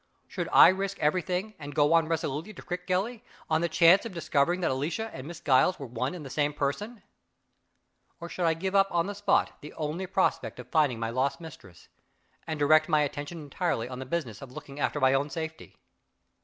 Should I risk everything, and go on resolutely to Crickgelly, on the chance of discovering that Alicia and Miss Giles were one and the same person or should I give up on the spot the only prospect of finding my lost mistress, and direct my attention entirely to the business of looking after my own safety?